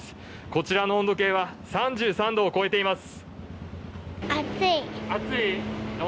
こちらの温度計は３３度を超えています。